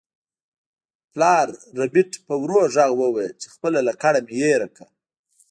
پلار ربیټ په ورو غږ وویل چې خپله لکړه مې هیره کړه